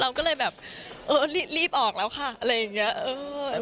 เราก็เลยแบบเออรีบออกแล้วค่ะอะไรอย่างนี้